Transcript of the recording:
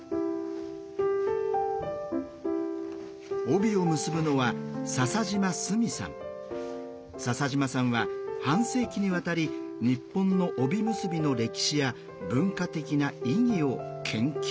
帯を結ぶのは笹島さんは半世紀にわたり日本の帯結びの歴史や文化的な意義を研究してきました。